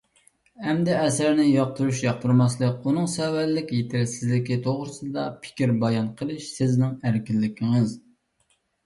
ئەمدى ئەسەرنى ياقتۇرۇش – ياقتۇرماسلىق، ئۇنىڭ سەۋەنلىك، يېتەرسىزلىكى توغرىسىدا پىكىر بايان قىلىش سىزنىڭ ئەركىنلىكىڭىز.